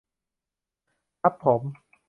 ฮับผม